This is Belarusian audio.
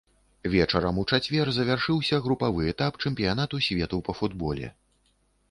Вечарам у чацвер завяршыўся групавы этап чэмпіянату свету па футболе.